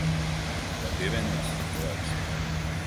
Vai pievienosi, draugs?